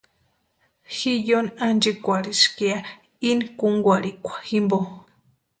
Ji yóni ánchikwarhiska ya íni kúnkwarhikwa jimpo.